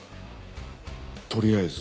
とりあえず。